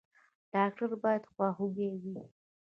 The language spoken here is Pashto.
ډاکټر باید خواخوږی وي